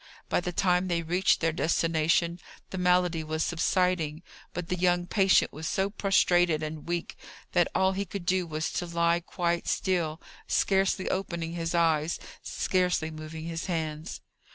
By the time they reached their destination the malady was subsiding; but the young patient was so prostrated and weak that all he could do was to lie quite still, scarcely opening his eyes, scarcely moving his hands.